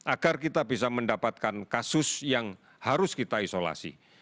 agar kita bisa mendapatkan kasus yang harus kita isolasi